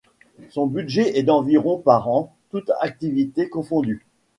Son budget est d’environ par an toutes activités confondues.